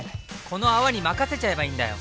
この泡に任せちゃえばいいんだよ！